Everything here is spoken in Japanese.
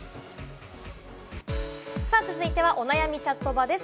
続いては、お悩みチャットバです。